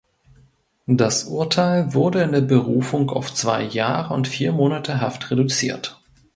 Das Urteil wurde in der Berufung auf zwei Jahre und vier Monate Haft reduziert.